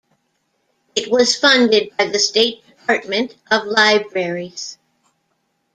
It was funded by the State Department of Libraries.